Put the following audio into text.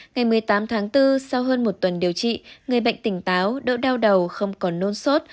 ngày một mươi tám tháng bốn sau hơn một tuần điều trị người bệnh tỉnh táo đỡ đau đầu không còn nôn sốt